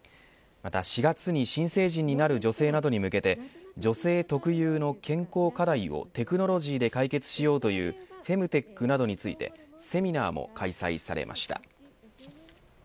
また４月に新成人になる女性などに向けて女性特有の健康課題をテクノロジーで解決しようというフェムテックなどについてセミナーも開催されました。